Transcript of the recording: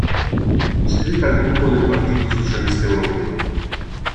Iscritta al gruppo del Partito Socialista Europeo.